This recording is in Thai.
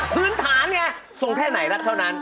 พื้นฐานไงทรงแค่ไหนรักเท่านั้น